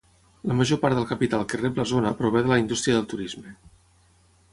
La major part del capital que rep la zona prové de la indústria del turisme.